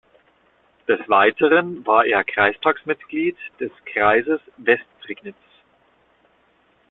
Des Weiteren war er Kreistagsmitglied des Kreises Westprignitz.